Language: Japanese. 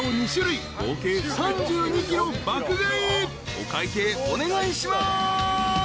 ［お会計お願いします］